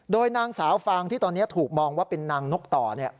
โดยนางสาวฟางที่ตอนนี้ถูกมองว่าเป็นนางนกต่อ